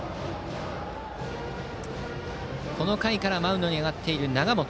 この回からマウンドに上がった永本。